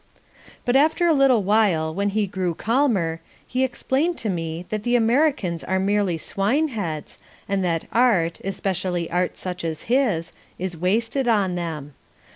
But after a little while when he grew calmer he explained to me that the Americans are merely swineheads and that art, especially art such as his, is wasted on them.